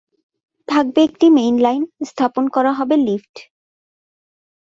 থাকবে একটি main line, স্থাপন করা হবে লিফট।